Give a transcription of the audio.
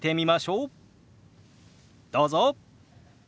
どうぞ。